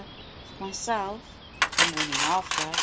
for myself (the morning after)